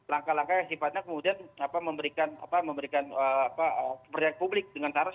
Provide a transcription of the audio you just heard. langkah langkah yang sifatnya kemudian memberikan kepercayaan publik dengan cara